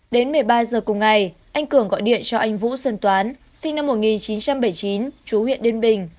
đến một mươi ba giờ cùng ngày anh cường gọi điện cho anh vũ xuân toán sinh năm một nghìn chín trăm bảy mươi chín chú huyện yên bình